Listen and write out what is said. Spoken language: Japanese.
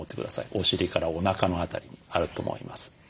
お尻からおなかの辺りにあると思います。